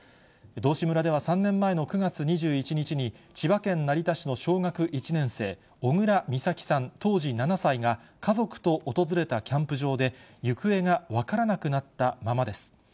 道志村では３年前の９月２１日に、千葉県成田市の小学１年生、小倉美咲さん、当時７歳が、家族と訪れたキャンプ場で、行方が分からなくなったままです。